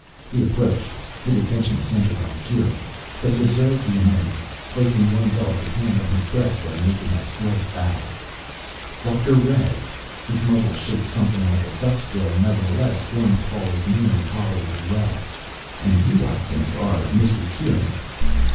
He approached, his attention centered on Kieran. But he observed the amenities, placing one delicate hand on his breast and making a slight bow. "Doctor Ray." His muzzle, shaped something like a duck's bill, nevertheless formed Paula's name tolerably well. "And you, I think, are Mr. Kieran."